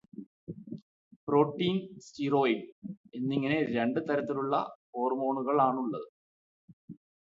Protein, steroid എന്നിങ്ങനെ രണ്ട് തരത്തിൽ ഉള്ള ഹോർമോണുകൾ ആണുള്ളത്.